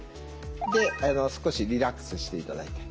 で少しリラックスして頂いて。